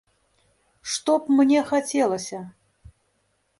Што б мне хацелася?